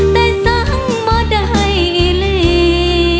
แต่สังบ่ได้อีลี